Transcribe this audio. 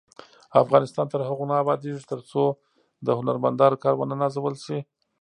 افغانستان تر هغو نه ابادیږي، ترڅو د هنرمندانو کار ونه نازول شي.